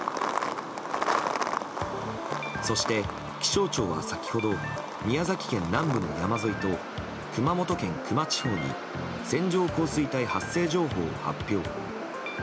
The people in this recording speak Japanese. そして気象庁は先ほど宮崎県南部の山沿いと熊本県球磨地方に線状降水帯発生情報を発表。